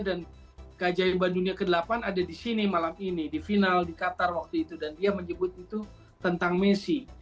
dan kajaiban dunia ke delapan ada di sini malam ini di final di qatar waktu itu dan dia menyebut itu tentang messi